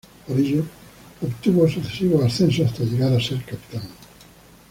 Por ello, obtuvo sucesivos ascensos, hasta llegar a ser capitán.